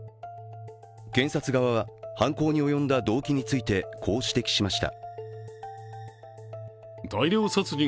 検察側は犯行に及んだ動機についてこう指摘しました。